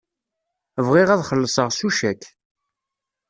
Bɣiɣ ad xellṣeɣ s ucak.